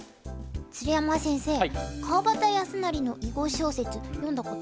鶴山先生川端康成の囲碁小説読んだことありますか？